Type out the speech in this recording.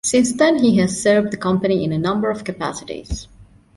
Since then he has served the company in a number of capacities.